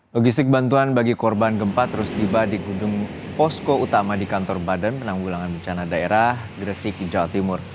logistik bantuan bagi korban gempa terus tiba di gedung posko utama di kantor badan penanggulangan bencana daerah gresik jawa timur